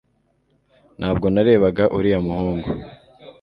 ntabwo narebaga uriya muhungu